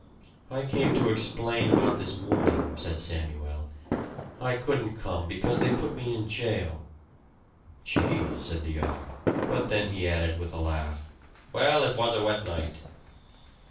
"I came to explain about this morning," said Samuel. "I couldn't come because they put me in jail." "Gee!" said the other; but then he added, with a laugh, "Well, it was a wet night."